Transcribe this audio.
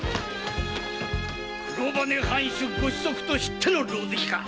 黒羽藩主ご子息と知っての狼藉？